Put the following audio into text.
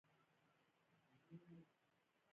د زابل په دایچوپان کې د ګچ نښې شته.